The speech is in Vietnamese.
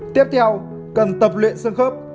tiếp theo cần tập luyện xương khớp